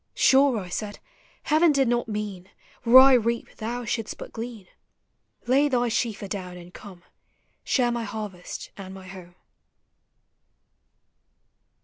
Sure, I said, Heaven did not mean Where I reap thou shouldst but glean; Lay thy sheaf adown and come, Share my harvest and my home.